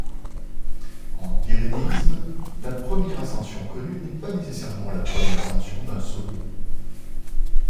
En pyrénéisme, la première ascension connue n'est pas nécessairement la première ascension d'un sommet.